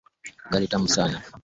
Ugali tamu sana.